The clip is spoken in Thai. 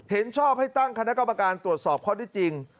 เห็นชอบให้ตั้งคณะกรรมการตรวจสอบข้อได้จริง